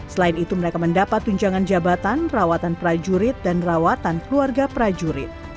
selain itu mereka mendapat tunjangan jabatan rawatan prajurit dan rawatan keluarga prajurit